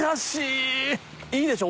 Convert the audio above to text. いいでしょ？